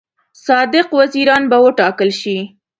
صادق وزیران به وټاکل شي.